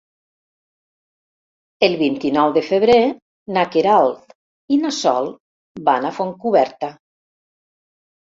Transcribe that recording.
El vint-i-nou de febrer na Queralt i na Sol van a Fontcoberta.